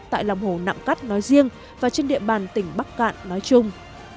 tại lòng hồ nạm cắt nói riêng và trên địa bàn tỉnh bắc cạn nói chung